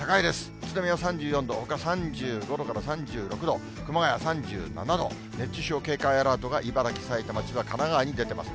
宇都宮３４度、ほか３５度から３６度、熊谷３７度、熱中症警戒アラートが茨城、埼玉、千葉、神奈川に出てます。